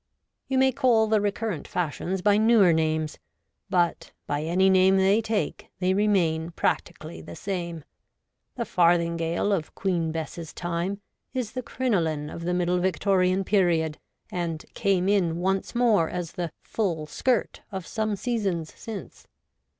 You may call the recurrent fashions by newer names, but, by any name they take, they remain practically the same. The farthingale of Queen Bess's time is the crinoline of the Middle Victorian period, and ' came in ' once more as the ' full skirt ' of some seasons since.